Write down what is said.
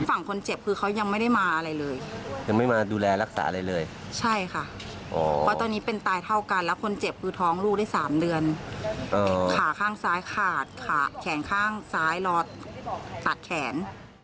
ฝั่งคนเจ็บคือเขายังไม่ได้มาอะไรเลยยังไม่มาดูแลรักษาอะไรเลยใช่ค่ะเพราะตอนนี้เป็นตายเท่ากันแล้วคนเจ็บคือท้องลูกได้๓เดือนขาข้างซ้ายขาดขาแขนข้างซ้ายรอตัดแขน